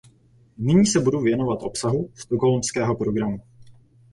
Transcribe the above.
Nyní se budu věnovat obsahu stockholmského programu.